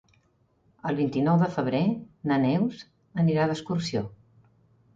El vint-i-nou de febrer na Neus anirà d'excursió.